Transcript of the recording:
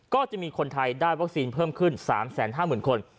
ก็จะมีคนไทยได้วัคซีนเพิ่มขึ้น๓๕๐๐๐คน